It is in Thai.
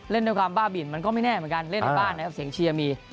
เล่นด้วยความบ้าบินมันก็ไม่แน่เหมือนกันเล่นในบ้านนะครับเสียงเชียร์มี